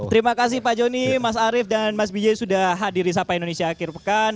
terima kasih pak joni mas arief dan mas biji sudah hadir di sapa indonesia akhir pekan